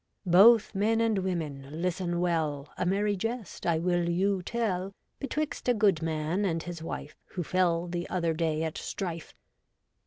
Both men and women, listen well, A merry jest I will you tell. Betwixt a good man and his wife Who fell the other day at strife.